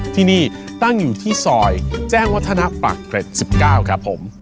ที่นี่ตั้งอยู่ที่ซอยแจ้งวัฒนะปากเกร็ด๑๙ครับผม